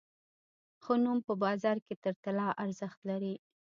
ښه نوم په بازار کې تر طلا ارزښت لري.